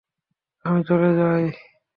আমি চলে যাই।